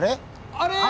あれ？